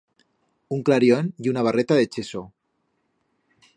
Un clarión ye una barreta de cheso.